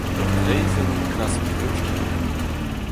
Ur greizenn enklask pleustrek.